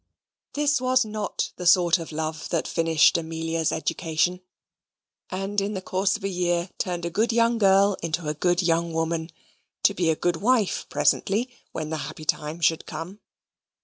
This was not the sort of love that finished Amelia's education; and in the course of a year turned a good young girl into a good young woman to be a good wife presently, when the happy time should come.